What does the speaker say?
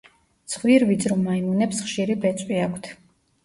ცხვირვიწრო მაიმუნებს ხშირი ბეწვი აქვთ.